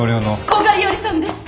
古賀一織さんです！